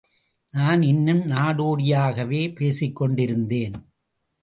நான் இன்னும் நாடோடியாகவே பேசிக்கொண்டிருந்தேன்.